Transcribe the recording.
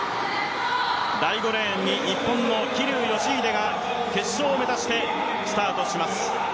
第５レーンに日本の桐生祥秀が決勝を目指してスタートします。